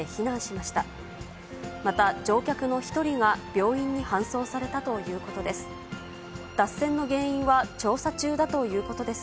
また、乗客の１人が病院に搬送されたということです。